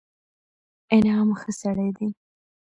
انعام ښه سړى دئ.